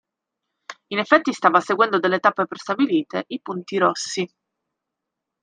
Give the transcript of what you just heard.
In effetti stava seguendo delle tappe prestabilite: i punti rossi.